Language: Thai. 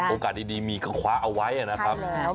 โอกาสดีมีความความสำเร็จเอาไว้นะครับ